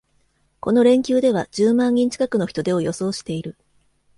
この連休では十万人近くの人出を予想している